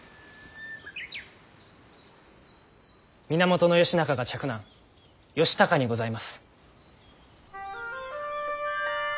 源義仲が嫡男義高にございます。